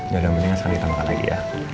ya udah mendingan sekali kita makan lagi ya